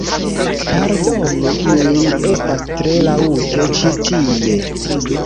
Pardonu min estas tre laŭte ĉi tie